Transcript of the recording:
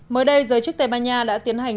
mới đây giới chức tây ban nha đã tiến hành